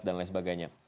dan lain sebagainya